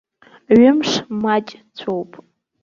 Ҩымш маҷцәоуп.